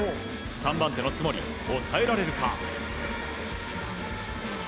３番手の津森、抑えられるか。